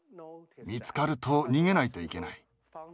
見つかると逃げないといけない。